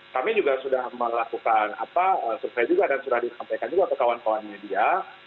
kami juga sudah melakukan survei juga dan sudah disampaikan juga ke kawan kawan media